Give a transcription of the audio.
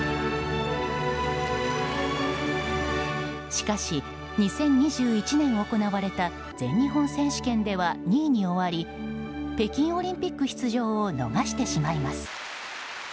しかし、２０２１年行われた全日本選手権では２位に終わり北京オリンピック出場を逃してしまいます。